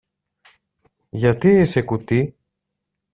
Γιατί είσαι κουτή;